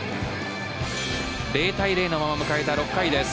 ０対０のまま迎えた６回です。